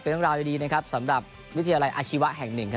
เรื่องราวดีนะครับสำหรับวิทยาลัยอาชีวะแห่งหนึ่งครับ